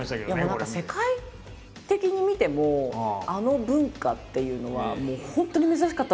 もう何か世界的に見てもあの文化っていうのはもう本当に珍しかったと思うんですよね。